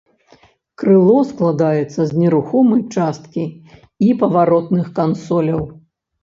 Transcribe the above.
Крыло складаецца з нерухомай часткі і паваротных кансоляў.